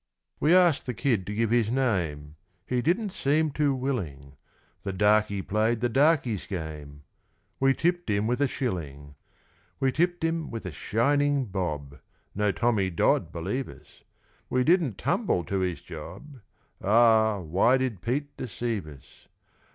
We asked the kid to give his name: He didn't seem too willing The darkey played the darkey's game We tipped him with a shilling! We tipped him with a shining bob No Tommy Dodd, believe us. We didn't "tumble" to his job Ah, why did Pete deceive us!